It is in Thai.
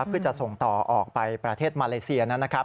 เพื่อจะส่งต่อออกไปประเทศมาเลเซียนะครับ